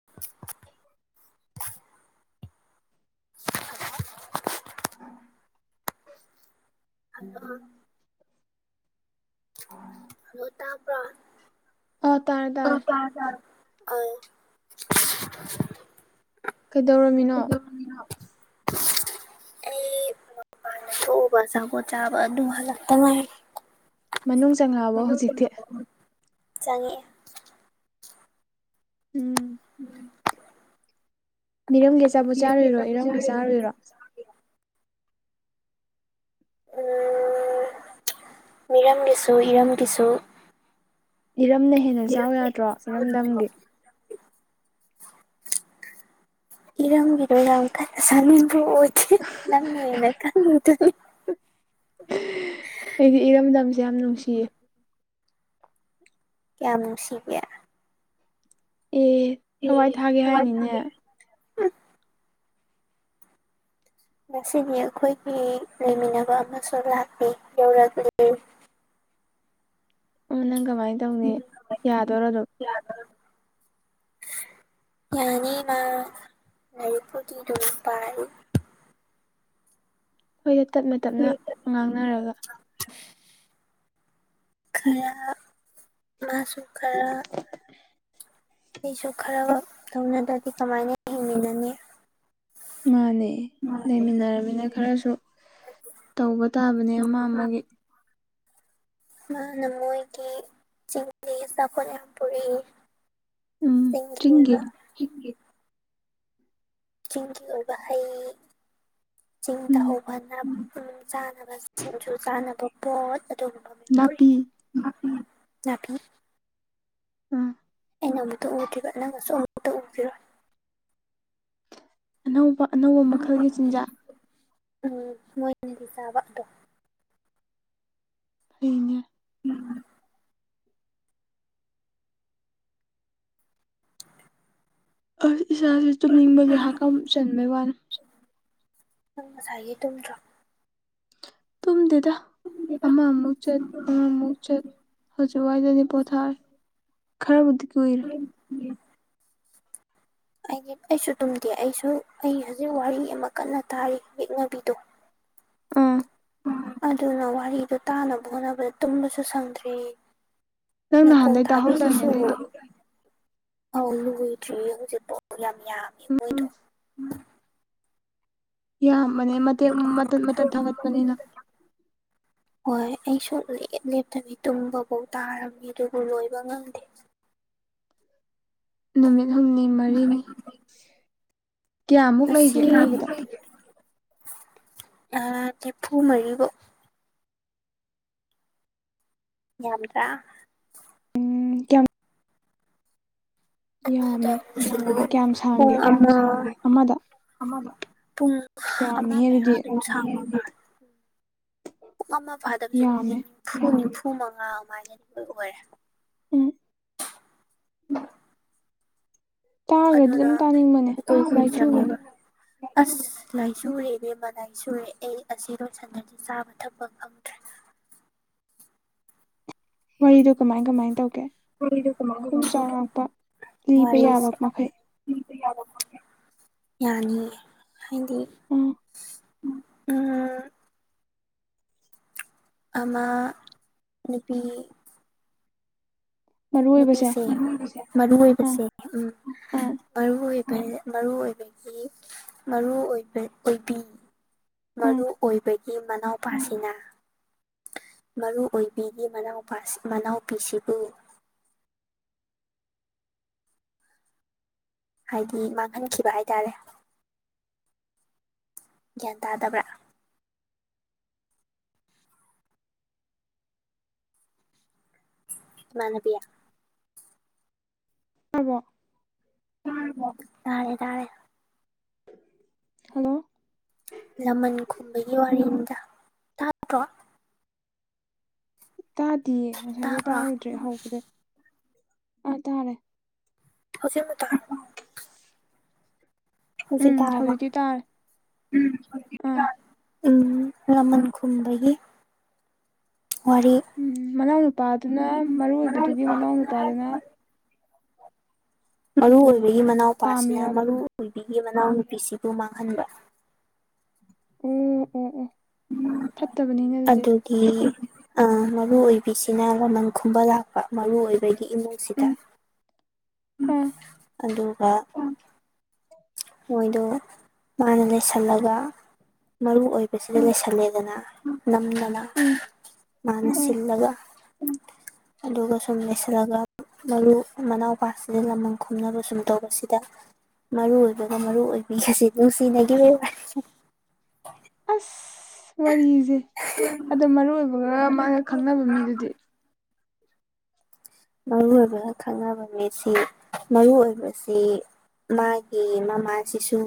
[inaudible] [inaudible] [inaudible] [inaudible] Hello ꯇꯕꯔꯣ ꯑꯥ ꯇꯥꯔꯦ ꯑꯥ ꯇꯥꯔꯦ ꯇꯔꯦ ꯇꯔꯦ ꯑꯥ ꯀꯩꯗꯧꯔꯝꯃꯤꯅꯣ [unintelligible] ꯑꯩ ꯃꯄꯥꯟ ꯊꯣꯛꯎꯕ ꯑꯆꯥꯄꯣꯠ ꯆꯥꯕ ꯑꯗꯨ ꯍꯜꯂꯛꯇ ꯉꯥꯏꯔꯤ ꯫ ꯃꯅꯨꯡ ꯆꯪꯉꯛꯑꯕ ꯍꯧꯖꯤꯛꯇꯤ ꯆꯪꯉꯛꯑꯦ ꯎꯝ [inaudible] ꯃꯤꯔꯝꯒꯤ ꯑꯆꯥꯄꯣꯠ ꯆꯥꯔꯨꯢꯔꯣ ꯏꯔꯝꯒꯤ ꯆꯥꯔꯨꯨꯏꯔꯣ ꯃꯤꯔꯝꯒꯤꯁꯨ ꯏꯔꯝꯒꯤꯁꯨ ꯏꯔꯝꯅ ꯍꯦꯟꯅ ꯆꯥꯎ ꯌꯥꯗ꯭ꯔꯣ ꯏꯔꯝꯗꯝꯒꯤ ꯏꯔꯝꯒꯤꯗꯣ ꯌꯥꯝ ꯀꯟꯅ ꯆꯥꯅꯤꯡꯕ ꯑꯣꯏꯗꯦ ꯅꯪ ꯍꯦꯟꯅ ꯈꯪ ꯉꯤꯗꯨꯅꯤ ꯑꯩꯗꯤ ꯏꯔꯝꯗꯝꯁꯦ ꯌꯥꯝ ꯅꯨꯡꯁꯤꯌꯦ [inaudible] ꯀꯌꯥꯝ ꯅꯨꯡꯁꯤꯒꯦ ꯑꯦ ꯊꯋꯥꯏ ꯊꯥꯒꯦ ꯅꯨꯡꯉꯥꯏ ꯍꯥꯏꯅꯤꯅꯦ [unintelligible] ꯉꯁꯤꯅꯤ ꯑꯩꯈꯣꯏꯒꯤ ꯂꯩꯃꯤꯟꯅꯕ ꯑꯃꯁꯨ ꯂꯥꯛꯂꯦ ꯌꯧꯔꯛꯂꯤ ꯎꯝ ꯅꯪ ꯀꯃꯥꯏꯅ ꯇꯧꯅꯤ ꯎꯝ ꯌꯥꯗꯣꯏꯔꯣ ꯑꯗꯨꯝ [unintelligible] ꯌꯥꯅꯤ ꯃꯥ ꯂꯥꯏꯔꯤꯛꯄꯨꯗꯤ ꯑꯗꯨꯝ ꯄꯥꯥꯔꯤ ꯍꯣꯏꯗ ꯇꯞꯅ ꯇꯞꯅ ꯉꯥꯡꯅꯔꯒ ꯃꯥꯁꯨ ꯈꯔ ꯑꯩꯁꯨ ꯈꯔ ꯇꯧꯅꯗ꯭ꯔꯗꯤ ꯀꯃꯥꯏꯅ ꯍꯤꯡꯃꯤꯟꯅꯅꯤ ꯃꯥꯥꯅꯦ ꯂꯩꯃꯤꯟꯅꯔꯕꯃꯤꯅ ꯈꯔꯁꯨ ꯇꯧꯕ ꯇꯥꯕꯅꯦ ꯑꯃ ꯑꯃꯒꯤ ꯃꯥꯅ ꯃꯣꯏꯒꯤ ꯆꯤꯡꯂꯤ ꯑꯆꯥꯄꫭꯠ ꯌꯥꯝ ꯄꯨꯔꯤ ꯎꯝ ꯆꯤꯡꯒꯤ [unintelligible] ꯆꯤꯡꯒꯤ ꯑꯣꯏꯕ ꯍꯩ ꯆꯤꯡ ꯎꯝ ꯇꯥꯍꯧꯕ ꯅꯝ ꯎꯝ ꯆꯥꯅꯕ ꯁꯤꯡꯖꯨ ꯆꯥꯅꯕ ꯄꯣꯠ ꯅꯥꯄꯤ ꯅꯥꯄꯤ ꯅꯥꯄꯤ ꯑꯩꯅ ꯑꯃꯨꯛꯇ ꯎꯗ꯭ꯔꯤꯕ ꯅꯪꯅꯁꯨ ꯑꯃꯨꯛꯇ ꯎꯈꯤꯔꫭꯏ ꯑꯅꯧꯕ ꯑꯅꯧꯕ ꯃꯈꯜꯒꯤ ꯆꯤꯟꯖꯥꯛ ꯎꯝ ꯃꯣꯏꯅꯗꯤ ꯆꯥꯕ ꯑꯗꯣ [unintelligible] ꯑꯁ ꯏꯁꯥꯁꯦ ꯇꯨꯝꯅꯤꯡꯕꯒꯤ ꯍꯥꯀꯝ ꯆꯟꯕꯩ ꯋꯥꯅꯤ ꯅꯪ ꯉꯁꯥꯏꯒꯤ ꯇꯨꯝꯗ꯭ꯔꯣ ꯑꯃ ꯑꯃꯨꯛ ꯆꯠ ꯑꯃꯃꯨꯛ ꯆꯠ ꯍꯧꯖꯤꯛꯋꯥꯏꯗꯅꯤ ꯄꯣꯊꯥꯔꯦ ꯈꯔꯕꯨꯗꯤ ꯀꯨꯏꯔꯦ [unintelligible] ꯑꯩꯗꯤ ꯑꯩꯁꯨ ꯇꯨꯝꯗꯦ ꯑꯩꯁꯨ ꯑꯩ ꯍꯧꯖꯤꯛ ꯋꯥꯔꯤ ꯑꯃ ꯀꯟꯅ ꯇꯥꯔꯤ ꯌꯦꯛꯅꯕꯤꯗꯣ ꯑꯥ ꯎꯝ ꯑꯗꯨꯅ ꯋꯥꯔꯤꯗꯨ ꯇꯥꯅꯕ ꯍꯣꯠꯅꯕꯗ ꯇꯨꯝꯕꯁꯨ ꯁꯪꯗ꯭ꯔꯦ ꯅꯪ ꯅꯥꯀꯣꯡꯟ ꯅꯍꯥꯟꯗꯩ ꯇꯥꯍꯧꯗꯥꯏꯅꯦ ꯊꯕꯤꯁꯤꯁꯨ ꯑꯗꯨꯏꯗꯣ ꯑꯥꯎ ꯂꯣꯏꯗ꯭ꯔꯤꯌꯦ ꯍꯧꯖꯤꯛꯐꯥꯎ ꯌꯥꯝ ꯌꯥꯝꯃꯦ ꯃꯣꯏꯗꯣ ꯌꯥꯝꯕꯅꯦ ꯃꯇꯦꯛ ꯃꯇꯠ ꯃꯇꯠ ꯊꯥꯒꯠꯄꯅꯤꯅ ꯍꯣꯏ ꯑꯩꯁꯨ ꯂꯦꯞ ꯂꯦꯞꯇꯕꯤ ꯇꯨꯝꯕꯐꯧ ꯇꯥꯔꯝꯃꯤ ꯑꯗꯨꯕꯨ ꯂꯣꯏꯕ ꯉꯝꯗꯦ ꯅꯨꯃꯤꯠ ꯍꯨꯝꯅꯤ ꯃꯔꯤꯅꯤ ꯀꯌꯥꯃꯨꯛ ꯂꯩꯒꯦ ꯃꯣꯏꯒꯤꯗꫭ ꯑꯥ ꯅꯤꯐꯨ ꯃꯔꯤ ꯕꯥꯎ ꯌꯥꯝꯗ꯭ꯔꯥ ꯎꯝ ꯀꯌꯥꯝ ꯌꯥꯝꯃꯦ ꯀꯌꯥꯝ [unintelligible] ꯄꯨꯡ ꯁꯥꯡꯒꯦ ꯑꯃ ꯑꯃꯗ ꯑꯃ ꯄꯨꯡ ꯑꯁ ꯑꯃ ꯌꯥꯝꯃꯤꯍꯦ ꯃꯌꯥ ꯑꯗꯨꯗꯤ ꯗꯨꯝ ꯁꯥꯕ ꯃꯥꯜꯂꯦ ꯄꯨꯡ ꯑꯃ ꯐꯥꯗꯕꯁꯨ ꯌꯥꯝꯃꯦ ꯃꯤꯅꯤꯠ ꯅꯤꯐꯨ ꯅꯤꯐꯨ ꯃꯉꯥ ꯑꯗꯨꯃꯥꯏꯅꯗꯤ ꯑꯣꯏꯔꯦ ꯎꯝ ꯇꯥꯔꯒꯗꯤ ꯑꯗꯨꯅ ꯑꯗꯨꯝ ꯇꯥꯅꯤꯡꯕꯅꯦ ꯃꯇꯝꯗ ꯀꯨꯏꯅ ꯂꯥꯏꯆꯨꯕꯅꯦ ꯆꯪꯉꯦꯕ ꯑꯁ ꯂꯥꯏꯆꯨꯔꯦꯕꯦꯝꯃ ꯂꯥꯏꯆꯨꯔꯦ ꯑꯩ ꯑꯁꯤ ꯂꫭꯏꯁꯤꯟꯗ꯭ꯔꯗꯤ ꯆꯥꯕ ꯊꯛꯄ ꯐꯪꯗ꯭ꯔꯦ ꯋꯥꯔꯤꯗꯣ ꯀꯃꯥꯏ ꯀꯃꯥꯏ ꯇꯧꯒꯦ ꯋꯥꯔꯤꯗꯣ ꯀꯃꯥꯏ ꯁꯨꯝ ꯀꯃꯥꯏ ꯇꯧꯒꯦ ꯆꯥꯎꯔꯥꯛꯄ ꯂꯤꯕ ꯌꯥꯕ ꯃꯈꯩ ꯌꯥꯅꯤ ꯍꯥꯏꯗꯤ ꯎꯝ ꯎꯝ ꯑꯃ ꯅꯨꯄꯤ ꯃꯔꯨꯑꯣꯏꯕꯁꯦ ꯅꯨꯄꯤꯁꯦ ꯃꯔꯨ ꯑꯥ ꯑꯣꯏꯕꯁꯦ ꯎꯝ ꯑꯥ ꯃꯔꯨ ꯑꯣꯏꯕ ꯃꯔꯨ ꯑꯣꯏꯕꯒꯤ ꯃꯔꯨꯕ ꯑꯣꯏꯕꯤ ꯑꯥ ꯃꯔꯨ ꯑꯣꯏꯕꯒꯤ ꯃꯅꯥꯎꯄꯥꯁꯤꯅ ꯃꯔꯨ ꯑꯣꯏꯕꯤꯒꯤ ꯃꯅꯥꯎꯄꯤꯁꯤꯕꯨ ꯍꯥꯏꯗꯤ ꯃꯥꯡꯍꯟꯈꯤꯕ ꯍꯥꯏꯇꯥꯔꯦ ꯒ꯭ꯌꯥꯟ ꯇꯥꯗꯕ꯭ꯔꯥ ꯏꯃꯥꯟꯅꯕꯤ ꯇꯕꯣ ꯇꯥꯔꯕ‌ꯣ ꯇꯥꯔꯦ ꯇꯥꯔꯦ ꯫ ꯍꯜꯂꯣ ꯂꯃꯟ ꯈꯨꯝꯕꯒꯤ ꯋꯥꯔꯤꯗ ꯇꯥꯠꯇ꯭ꯔꯣ? ꯇꯥꯗꯤꯌꯦ ꯉꯁꯥꯏꯗꯩ ꯇꯥꯕ꯭ꯔꯣ ꯇꯥꯔꯨꯗ꯭ꯔꯦꯍꯥꯎꯧꯕꯗ ꯑꯥ ꯇꯥꯔꯦ ꯫ ꯍꯧꯖꯤꯛ ꯑꯃꯨꯛ ꯇꯥꯔ [inaudible] ꯍꯧꯖꯥꯛ ꯎꯝ ꯇꯥꯔꯕꯥ ꯍꯧꯖꯤꯛꯇꯤ ꯇꯥꯔꯦ ꯑꯥ [unintelligible] ꯎꯝ ꯂꯃꯟ ꯈꯨꯝꯕꯒꯤ ꯋꯥꯔꯤ ꯫ ꯎꯝ ꯃꯅꯥꯎ ꯅꯨꯄꯥꯗꯨꯅ ꯃꯔꯨ ꯑꯣꯏꯕꯗꯨꯒꯤ ꯃꯅꯥꯎ ꯅꯨꯄꯥꯗꯨꯅ ꯃꯔꯨ ꯀꯩꯇꯧꯔꯤꯅꯣ ꯑꯣꯏꯕꯒꯤ ꯃꯅꯥꯎꯄꯥꯁꯤꯅ ꯄꯥꯝꯃꯤꯔꯕ ꯃꯔꯨ ꯑꯣꯏꯕꯤꯒꯤ ꯃꯅꯥꯎꯅꯨꯄꯤꯁꯤꯕꯨ ꯃꯥꯡꯍꯟꯕ꯭ꯔꯥ ꯫ ꯑꯣ ꯑꯣ ꯑꯣ ꯐꯠꯇꯕꯅꯤꯅ‌ꯦ ꯑꯗꯨꯗꯤ ꯫ ꯒꯤ ꯑꯥ ꯃꯔꯨ ꯑꯣꯏꯕꯤꯁꯤꯅ ꯂꯃꯟ ꯈꯨꯝꯕ ꯂꯥꯛꯄ ꯃꯔꯨ ꯑꯣꯏꯕꯒꯤ ꯏꯃꯨꯡꯁꯤꯗ ꯎꯝ ꯫ ꯎꯝ ꯑꯥ ꯑꯗꯨꯒ [inaudible] ꯃꯣꯏꯗꯣ ꯃꯥꯅ ꯂꯩꯁꯜꯂꯒ ꯃꯔꯨ ꯑꯣꯏꯕꯁꯤꯗ ꯑꯥ ꯂꯩꯁꯜꯂꯦꯗꯅ ꯅꯝꯗꯅ ꯎꯝ ꯃꯅꯥ ꯑꯥ ꯁꯤꯂꯒ ꯑꯗꯨꯒ ꯁꯨꯝ ꯂꯩꯁꯤꯜꯂꯒ ꯃꯔꯨ ꯃꯅꯥꯎꯄꯥꯁꯤꯗ ꯂꯃꯝ ꯈꯨꯝꯅꯕ ꯁꯨꯝ ꯇꯧꯕꯁꯤꯗ ꯃꯔꯨꯑꯣꯏꯕꯒ ꯃꯔꯨ ꯑꯣꯏꯕꯤꯒꯁꯤ ꯅꯨꯡꯁꯤꯅꯒꯤꯕꯩ ꯋꯥꯔꯤ ꯑꯁ ꯋꯥꯔꯤꯁꯦ ꯑꯗꯣ ꯃꯔꯨ ꯑꯣꯏꯕꯒ ꯃꯥꯒ ꯈꯪꯅꯕ ꯃꯤꯗꯨꯗꯤ ꯃꯔꯨ ꯑꯣꯏꯕꯒ ꯈꯪꯅꯕ ꯃꯤ ꯁꯤ ꯃꯔꯨ ꯑꯣꯏꯕꯁꯤ ꯃꯥꯒꯤ ꯃꯃꯥꯁꯤꯁꯨ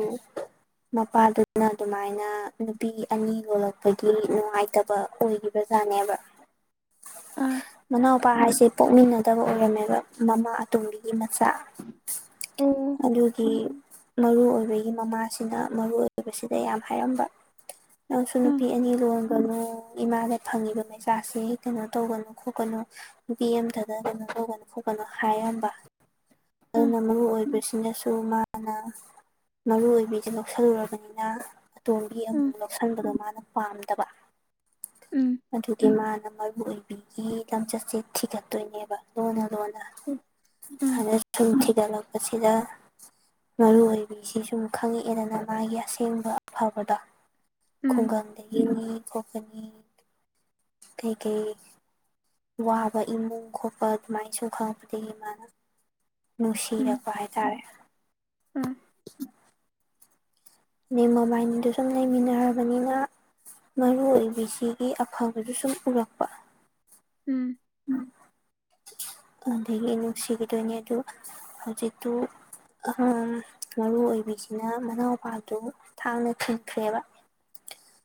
ꯃꯄꯥꯗꯨꯅ ꯑꯗꯨꯃꯥꯏꯅ ꯅꯨꯄꯤ ꯑꯅꯤ ꯂꯣꯜꯂꯛꯄꯒꯤ ꯅꯨꯡꯉꯥꯏꯇꯕ ꯑꯣꯏꯒꯤ ꯕꯖꯥꯠꯅꯦꯕ ꯑꯥ ꯫ ꯃꯅꯥꯎꯄꯥ ꯍꯥꯏꯁꯦ ꯄꯣꯛꯃꯤꯟꯅꯗꯕ ꯑꯣꯏꯔꯝꯃꯦꯕ ꯃꯃꯥ ꯑꯇꯣꯝꯕꯤꯒꯤ ꯃꯆꯥ ꯑꯣ ꯫ ꯑꯗꯨꯒꯤ ꯃꯔꯨ ꯑꯣꯏꯕꯒꯤ ꯃꯃꯥꯁꯤꯅ ꯃꯔꯨ ꯑꯣꯏꯕꯁꯤꯗ ꯌꯥꯝ ꯍꯥꯏꯔꯝꯕ ꯫ ꯅꯪꯁꯨ ꯑꯥ ꯅꯨꯄꯤ ꯑꯅꯤ ꯂꯣꯟꯒꯅꯨ ꯫ ꯏꯃꯥꯗ ꯐꯪꯉꯤꯕ ꯃꯩꯆꯥꯛꯁ‌ꯦ ꯀꯩꯅꯣ ꯇꯧꯒꯅꯨ ꯈꯣꯠꯀꯅꯨ ꯅꯨꯄꯤ ꯑꯃꯇ ꯗ ꯀꯩꯅꯣ ꯇꯧꯒꯅꯨ ꯈꯣꯠꯀꯅꯨ ꯍꯥꯏꯔꯝꯕ ꯑꯥ ꯑꯗꯨꯅ ꯃꯔꯨ ꯑꯣꯏꯕꯁꯤꯅꯁꯨ ꯑꯗꯨ ꯃꯥꯅ ꯃꯔꯨ ꯑꯣꯏꯕꯤꯁꯦ ꯂꯧꯁꯜꯂꯨꯔꯕꯅꯤꯅ ꯑꯇꯣꯝꯕꯤ ꯑꯥ ꯑꯃꯨꯛ ꯂꯧꯁꯤꯟꯕꯗꯣ ꯃꯥꯅ ꯄꯥꯝꯗꯕ ꯎꯝ ꯫ ꯑꯗꯨꯒꯤ ꯃꯥꯅ ꯃꯔꯨ ꯑꯣꯏꯕꯤꯒꯤ ꯂꯝꯆꯠꯁꯦ ꯊꯤꯒꯠ ꯇꯣꯏꯅꯦꯕ ꯂꯨꯟꯅ ꯂꯨꯟꯅ ꯎꯝ ꯎꯝ ꯑꯗ ꯁꯨꯝ ꯊꯤꯒꯠꯂꯛꯄꯁꯤꯗ ꯃꯔꯨ ꯑꯣꯏꯕꯤꯁꯤ ꯁꯨꯝ ꯈꯪꯉꯛꯑꯦꯗꯅ ꯃꯥꯒꯤ ꯑꯁꯦꯡꯕ ꯑꯐꯕꯗꯣ ꯫ ꯎꯝ ꯈꯨꯡꯒꯪꯗꯒꯤꯅꯤ ꯈ‌ꯣꯠꯄꯅꯤ ꯀꯩ ꯀꯩ ꯋꯥꯕ ꯏꯃꯨꯡ ꯈꯣꯠꯄ ꯑꯗꯨꯃꯥꯏꯁꯨꯝ ꯈꯪꯉꯛꯄꯗꯒꯤ ꯃꯅꯥ ꯅꯨꯡꯁꯤꯔꯛꯄ ꯍꯥꯏꯇꯥꯔꯦ ꯫ ꯎꯝ ꯑꯗꯩ ꯃꯣꯕꯥꯟꯅꯤꯗꯨ ꯁꯨꯝ ꯂꯩꯃꯤꯟꯅꯔꯕꯅꯤꯅ ꯃꯔꯨꯑꯣꯏꯕꯤꯁꯤꯒꯤ ꯑꯐꯕꯗꯨ ꯁꯨꯝ ꯎꯔꯛꯄ ꯫ ꯎꯝ ꯎꯝ ꯑꯗꯒꯤ ꯅꯨꯡꯁꯤꯒꯤꯗꯣꯏꯅꯦ ꯑꯗꯨ ꯍꯧꯖꯤꯠꯇꯨ ꯑ ꯃꯔꯨ ꯑꯣꯏꯕꯤꯁꯤꯅ ꯃꯅꯥꯎꯄꯥꯗꯨ ꯊꯥꯡꯅ ꯊꯤꯟꯈ꯭ꯔꯦꯕ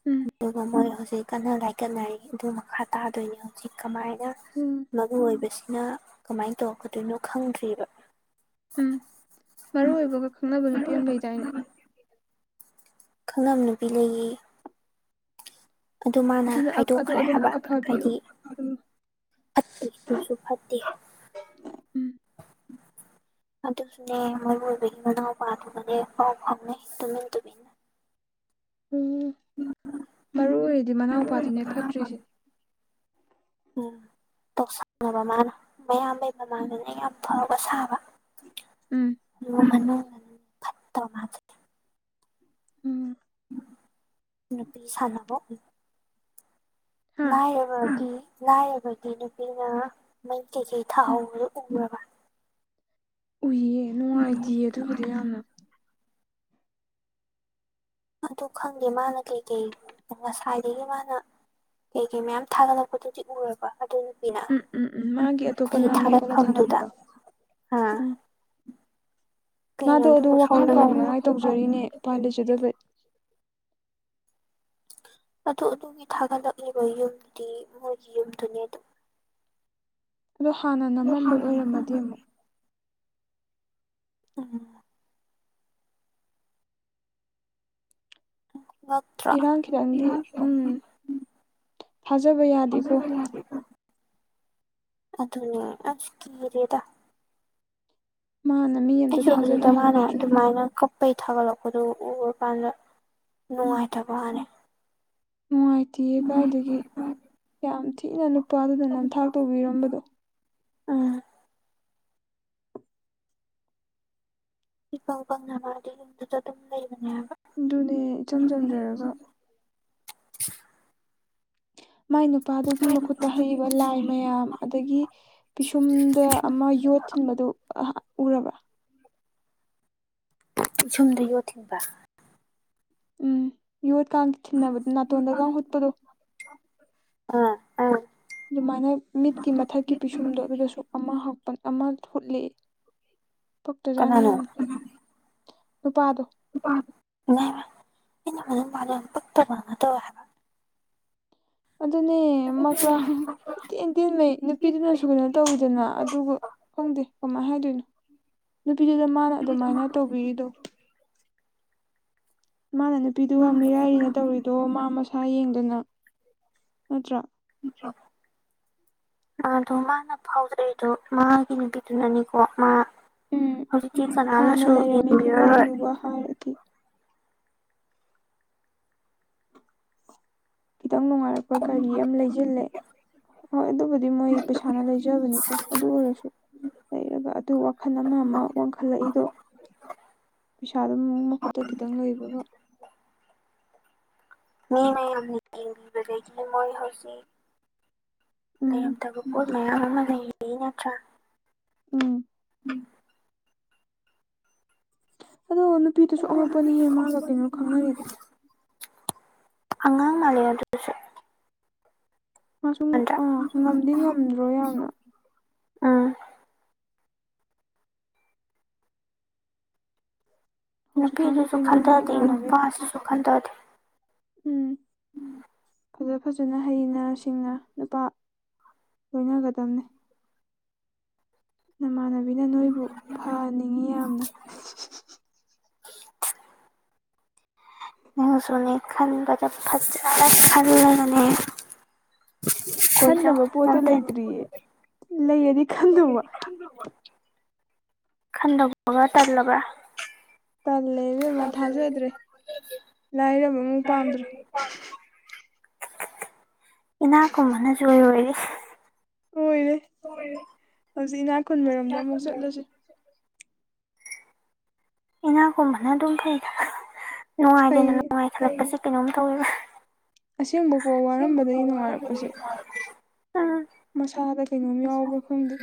ꯎꯝ ꯗꯨꯒ ꯃꯣꯢ ꯍꯧꯖꯤꯛ ꯀꯟꯅ ꯂꯥꯏꯀꯠꯅꯔꯤ ꯑꯗꯨ ꯃꯈꯥ ꯇꯥꯗꯣꯏꯅꯤ ꯍꯧꯖꯤꯛ ꯀꯃꯥꯏꯅ ꯎꯝ ꯃꯔꯨꯑꯣꯢꯕꯁꯤꯅ ꯀꯃꯥꯏꯅ ꯇꯧꯔꯛꯀꯗꯣꯏꯅꯣ ꯈꯪꯗ꯭ꯔꯤꯕ ꯎꯝ ꯃꯔꯨ ꯑꯣꯏꯕꯒ ꯈꯪꯅꯕ ꯅꯨꯄꯤ ꯑꯃ ꯂꯩꯗꯥꯏꯅꯦ ꯈꯪꯅꯕꯤ ꯅꯨꯄꯤ ꯂꯩꯌꯦ ꯑꯗꯨ ꯃꯥꯅ ꯑꯗꯨꯅ ꯑꯗꯣ ꯍꯥꯏꯗꯣꯛꯈ꯭ꯔꯦ ꯑꯗꯨꯝ ꯍꯥꯏꯕ ꯑꯐꯕꯤ ꯍꯥꯏꯗꯤ ꯎꯝ ꯐꯠꯇꯦ ꯑꯗꯨꯁꯨ ꯐꯠꯇꯦ ꯎꯝ ꯑꯗꯨꯁꯨꯅꯦ ꯃꯔꯨꯑꯣꯏꯕꯒꯤ ꯃꯅꯥꯎꯄꯥꯗꯨꯒꯅꯦ ꯐꯥꯎ ꯐꯥꯎꯅ ꯇꯨꯃꯤꯟ ꯇꯨꯃꯤꯟ ꯑꯣ ꯃꯔꯨ ꯑꯣꯏꯔꯤꯗꯤ ꯃꯅꯥꯎꯄꯥꯗꯨꯅꯦ ꯐꯠꯇ꯭ꯔꯤꯁꯦ ꯎꯝ ꯇꯧꯁꯟꯅꯕ ꯃꯥꯅ ꯃꯌꯥꯝꯕꯩ ꯃꯃꯥꯡꯗꯅꯦ ꯌꯥꯝ ꯐꯕ ꯁꯥꯕ ꯎꯝ ꯃꯅꯨꯡ ꯐꯠꯇꯕ ꯃꯥꯖꯦ ꯎꯝ ꯅꯨꯄꯤ ꯁꯥꯟꯅꯕ ꯍꯥ ꯂꯥꯏꯔꯕꯗꯤ ꯂꯥꯏꯔꯕꯒꯤ ꯅꯨꯄꯤꯅ ꯃꯩ ꯀꯩꯀꯩ ꯎꯝ ꯊꯥꯍꯧꯕꯗꯨ ꯎꯔꯕ ꯎꯏꯌꯦ ꯅꯨꯡꯉꯥꯏꯇꯦꯌꯦ ꯑꯗꯨꯒꯤꯗꯨ ꯌꯥꯝꯅ ꯑꯗꯨ ꯈꯪꯗꯦ ꯃꯥꯅ ꯀꯩꯀꯩ ꯉꯁꯥꯏꯗꯒꯤ ꯃꯥꯅ ꯀꯩꯀꯩ ꯃꯌꯥꯝ ꯊꯥꯒꯠꯂꯛꯄꯗꯨꯗꯤ ꯎꯔꯕ ꯑꯗꯨ ꯅꯨꯄꯤꯅ ꯎꯝ ꯎꯝ ꯎꯝ ꯃꯥꯒꯤ ꯑꯇꯣꯞꯄ ꯅꯝꯃ ꯈꯣꯠꯂ ꯊꯥꯒꯠꯄꯗꯣ ꯍꯥꯥ ꯎꯝ ꯃꯥꯗꯣ ꯑꯗꯨ ꯑꯗꯨꯕꯨ ꯋꯥꯈꯜ ꯁꯣꯝꯗꯅ ꯀꯥꯎꯅꯉꯥꯏ ꯇꯧꯖꯔꯤꯅꯦ ꯎꯄꯥꯏ ꯂꯩꯖꯗꯕꯩ ꯑꯗꯨ ꯑꯗꯨꯒꯤ ꯊꯥꯒꯠꯂꯛꯂꯤꯕ ꯌꯨꯝꯗꯨꯗꯤ ꯃꯣꯏꯒꯤ ꯌꯨꯝꯗꯨꯅꯦ ꯑꯗꯨ ꯑꯗꯣ ꯍꯥꯟꯅ ꯅꯝꯃꯝꯕꯩ ꯑꯣꯏꯔꯝꯃꯗꯤ ꯑꯃꯨꯛ ꯎꯝ ꯉꯛꯇ꯭ꯔꯥ ꯏꯔꯥꯡ ꯈꯤꯇꯪꯗꯤ ꯎꯝ ꯊꯥꯖꯕ ꯌꯥꯗꯦꯀꯣ ꯑꯗꯨꯅꯦ ꯑꯁ ꯀꯤꯔꯦꯗ ꯃꯥꯅ ꯃꯤ ꯑꯝꯇ ꯑꯩꯁꯨ ꯑꯗꯨꯗ ꯃꯥꯅ ꯊꯥꯖꯅꯍꯜꯂꯣꯏꯗ꯭ꯔꯦ ꯑꯗꯨꯃꯥꯏꯅ ꯀꯞ ꯄꯩ ꯊꯥꯒꯠꯂꯛꯄꯗꯨ ꯎꯕ ꯀꯥꯟꯗ ꯅꯨꯡꯉꯥꯏꯇꯕ ꯋꯥꯅꯤ ꯅꯨꯡꯉꯥꯏꯇꯦ ꯀꯥꯏꯗꯒꯤ ꯌꯥꯝ ꯊꯤꯅ ꯅꯨꯄꯥꯗꯨꯗ ꯅꯝꯊꯥꯛ ꯇꯧꯕꯤꯔꯝꯕꯗꯣ ꯎꯝ ꯏꯄꯪ ꯄꯪꯅ ꯃꯥꯗꯤ ꯗꯨꯆ ꯗꯨꯝ ꯂꯩꯕꯅꯦ ꯍꯥꯢꯕ ꯑꯗꯨꯅꯦ ꯏꯆꯝ ꯆꯝꯖꯔꯒ ꯃꯥꯏ ꯅꯨꯄꯥꯗꯨꯒꯤ ꯃꯈꯨꯠꯇ ꯍꯛꯏꯕ ꯂꯥꯏ ꯃꯌꯥꯝ ꯑꯗꯒꯤ ꯄꯤꯁꯨꯝꯗ ꯑꯃ ꯌꯣꯠ ꯊꯤꯟꯕꯗꯨ ꯑ ꯎꯔꯕ ꯄꯤꯁꯨꯝꯗ ꯌꯣꯠ ꯊꯤꯡꯕ ꯎꯝ ꯌꯣꯠꯀꯥꯡ ꯊꯤꯟꯅꯕꯗꯨ ꯅꯥꯇꯣꯟꯗꯒ ꯍꯨꯠꯄꯗꯨ ꯑ ꯑꯗꯨꯃꯥꯏꯅ ꯃꯤꯠꯀꯤ ꯃꯊꯛꯀꯤ ꯄꯤꯁꯨꯝꯗꯣ ꯑꯗꯨꯗꯁꯨ ꯑꯃ ꯍꯛꯄꯟ ꯑꯃ ꯍꯨꯠꯂꯤ ꯄꯛꯇꯖꯥꯠꯅꯤ ꯀꯅꯥꯅꯣ ꯌꯥꯝꯅ ꯅꯨꯄꯥꯗꯣ ꯏ ꯃꯥꯅꯅ ꯄꯄꯔ ꯂꯅ ꯇ [unintelligible] ꯑꯗꯨꯅꯦ ꯃꯀ꯭ꯂꯥ ꯏꯇ‌ꯦꯟ ꯇꯦꯟꯃꯩ ꯅꯨꯄꯤꯗꯨꯅꯁꯨ ꯀꯩꯅꯣ ꯇꯧꯋꯤꯗꯅ ꯑꯗꯨꯒ ꯈꯪꯗꯦ ꯀꯃꯥꯏ ꯍꯥꯏꯗꯣꯏꯅꯣ ꯅꯨꯄꯤꯗꯨꯗ ꯃꯥꯅ ꯑꯗꯨꯃꯥꯏꯅ ꯇꯧꯕꯤꯔꯤꯗꯣ ꯃꯥꯅ ꯅꯨꯄꯤꯗꯨꯒ ꯃꯤꯔꯥꯏꯔꯤꯅ‌ꯦ ꯇꯧꯔꯤꯗꯣ ꯃꯥ ꯃꯁꯥ ꯌꯦꯡꯗꯅ ꯅꯠꯇ꯭ꯔꯥ [inaudible] ꯃꯥꯗꯣ ꯃꯥꯅ ꯐꯥꯎꯖꯔꯤꯗꯣ ꯃꯥꯒꯤ ꯅꯨꯄꯤꯗꯨꯅꯅꯤꯀꯣ ꯃꯥ ꯍꯧꯖꯤꯛꯇꯤ ꯀꯅꯥꯅꯁꯨ ꯌꯦꯡꯕꯤꯔꯔꯣꯏ ꯋꯥ ꯍꯥꯏꯔꯗꯤ ꯈꯤꯇꯪ ꯅꯨꯡꯉꯥꯏꯔꯛꯄ ꯒꯥꯔꯤ ꯑꯝ ꯂꯩꯖꯤꯜꯂꯦ ꯍꯣꯏ ꯑꯗꯨꯕꯨꯗꯤ ꯃꯣꯏ ꯄꯩꯁꯥꯅ ꯂꯩꯖꯕꯅꯤꯀꯣ ꯑꯗꯨ ꯑꯣꯏꯔꯁꯨ ꯂꯩꯔꯒ ꯑꯗꯨ ꯋꯥꯈꯟ ꯑꯃ ꯑꯃ ꯋꯥꯡꯈꯂꯛꯏꯗꯣ ꯄꯩꯁꯥ ꯗꯨꯝ ꯃꯈꯨꯠꯇ ꯈꯤꯇꯪ ꯂꯩꯕꯒ ꯃꯤ ꯃꯌꯥꯝꯅ ꯌ‌ꯦꯡꯕꯤꯕꯗꯒꯤꯅ‌ꯦ ꯃꯣꯏ ꯍꯧꯖꯤꯛ ꯎꯝ ꯂꯩꯔꯝꯗꯕ ꯄꯣꯠ ꯃꯌꯥꯝ ꯑꯃ ꯂꯩꯔꯛꯏ ꯅꯠꯇ꯭ꯔꯥ ꯎꯝ ꯑꯗꯣ ꯅꯨꯄꯤꯗꯨꯁꯨ ꯑꯉꯛꯄꯅꯤꯍꯦ ꯃꯥꯒ ꯀꯩꯅꯣ ꯈꯪꯅꯔꯤꯗꯣ ꯑꯉꯥꯡ ꯃꯥꯜꯂ‌ꯦ ꯑꯗꯨꯁꯨ ꯃꯥꯁꯨꯡ ꯅꯠꯇ꯭ꯔꯥ ꯑꯥ ꯉꯝꯗꯤ ꯉꯝꯗ꯭ꯔꯣ ꯌꯥꯝꯅ ꯎꯝ ꯍꯧꯖꯤꯛꯀꯥꯟꯁꯦ ꯅꯨꯄꯤꯗꯨꯁꯨ ꯀꯩꯅꯣꯝꯅꯤ ꯈꯟꯊꯗꯦ ꯏꯃꯥꯟꯅꯕꯤ ꯅꯨꯄꯥꯁꯤꯁꯨ ꯈꯟꯊꯗꯦ ꯎꯝ ꯐꯖ ꯐꯖꯅ ꯍꯩꯅ ꯁꯤꯡꯅ ꯅꯨꯄꯥ ꯂꯣꯏꯅꯒꯗꯝꯅꯤ ꯅꯃꯥꯟꯅꯕꯤꯅ ꯅꯣꯏꯕꯨ ꯐꯍꯟꯅꯤꯡꯉꯤ ꯌꯥꯝꯅ ꯅꯪꯁꯨꯅꯤ ꯈꯟꯕꯗ ꯐꯖꯅ ꯈꯜꯂꯒꯅꯦ ꯀꯣꯏꯖꯧ ꯈꯟꯅꯕ ꯄꯣꯠꯇꯨ ꯅꯠꯇꯦ ꯂꯩꯇ꯭ꯔꯤꯌꯦ ꯂꯩꯔꯗꯤ ꯈꯟꯗꯧꯕ ꯂꯩꯔꯗꯤ ꯈꯟꯗꯨꯕ ꯈꯟꯗꯧꯕꯒ ꯇꯜꯂꯕꯥ ꯇꯜꯂꯦ ꯏꯕ‌ꯦꯝꯃ ꯊꯥꯖꯗ꯭ꯔꯦ ꯂꯥꯏꯔꯥꯕꯃꯨꯛ ꯄꯥꯝꯗ꯭ꯔꯦ ꯏꯅꯥ ꯈꯨꯟꯕꯅ ꯖ‌ꯣꯏ ꯑꯣꯏꯔ‌ꯦ ꯑꯣꯏꯔꯦ ꯍꯧꯖꯤꯛ ꯏꯅꯥ ꯈꯨꯟꯕꯔꯣꯝꯗ ꯑꯃꯨꯛ ꯆꯠꯂꯁꯤ ꯏꯅꯥꯛꯈꯨꯟꯕꯅ ꯑꯗꯨꯝ ꯐꯩꯗ ꯅꯨꯡꯉꯥꯏꯗꯅ ꯐꯩꯌꯦ ꯅꯨꯡꯉꯥꯏꯈꯠꯂꯛꯄꯁ‌ꯦ ꯀꯩꯅꯣꯝ ꯇꯧꯋ‌ꯦ ꯑꯁꯦꯡꯕꯀꯣ ꯋꯥꯔꯝꯕꯗꯒꯤ ꯅꯨꯡꯉꯥꯏꯔꯛꯄꯁꯦ ꯎꯝ ꯃꯁꯥꯗ ꯀꯩꯅꯣꯝ ꯌꯥꯎꯕ꯭ꯔꯥ ꯈꯪꯗꯦ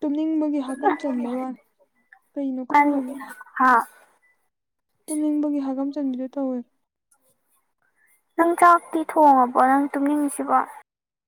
ꯇꯨꯝꯅꯤꯡꯕꯒꯤ ꯍꯥꯀꯝ ꯆꯟꯕꯩ ꯋꯥꯅ‌ꯦ ꯀꯩꯅꯣ ꯅꯪ ꯈꯪꯗꯕꯤ ꯍꯥ ꯇꯨꯝꯅꯤꯡꯕꯒꯤ ꯍꯥꯒꯥꯝ ꯆꯟꯕꯤꯗ‌ꯣ ꯇꯧꯋꯦ ꯅꯪ ꯆꯥꯛꯇꯤ ꯊꯣꯡꯉꯕꯣ ꯅꯪ ꯇꯨꯡꯅꯤꯡꯉꯤꯁꯤꯕꯣ